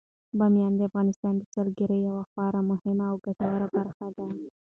بامیان د افغانستان د سیلګرۍ یوه خورا مهمه او ګټوره برخه ده.